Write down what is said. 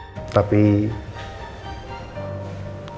dia juga diadopsi sama keluarga alfahri